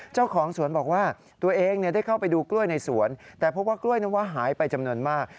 เจ้าของสวนบอกว่าตัวเองได้เข้าไปดูกล้วยในสวนแต่พบว่ากล้วยนั้นว่าหายไปจำนวนมาก